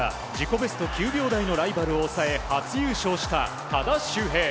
ベスト９秒台のライバルを抑え初優勝した多田修平。